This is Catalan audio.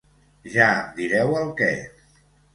Ja em direu el què.